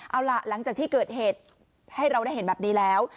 เอาล่ะหลังจากที่เกิดเหตุให้เราได้เห็นแบบนี้แล้ว